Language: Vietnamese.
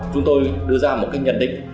chúng tôi đưa ra một cái nhận định